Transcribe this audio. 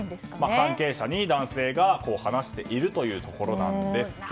関係者に男性が話しているというところなんですが。